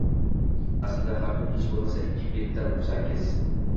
Aslida har kuni hech bo‘lmasa ikki betdan o‘qisangiz